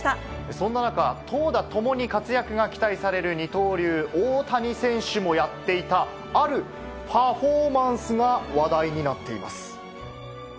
そんな中、投打ともに活躍が期待される二刀流、大谷選手もやっていた、あるパフォーマンスが話題になっています。